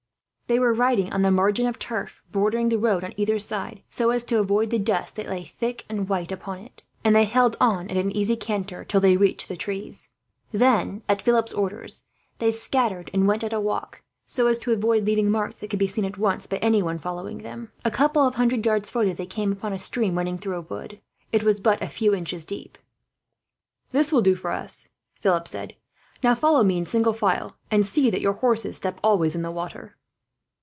They were riding on the margin of turf, bordering the road on either side, so as to avoid the dust that lay thick and white upon it; and they held on at an easy canter, till they reached the trees. Then, at Philip's order, they scattered and went at a walk; so as to avoid leaving marks that could be seen, at once, by anyone following them. A couple of hundred yards farther, they came upon a stream running through a wood. It was but a few inches deep. "This will do for us," Philip said. "Now, follow me in single file, and see that your horses step always in the water."